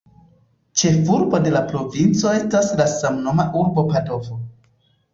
Ĉefurbo de la provinco estas la samnoma urbo Padovo.